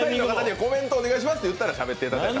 コメントお願いしますと言ったらしゃべっていただいて。